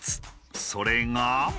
それが？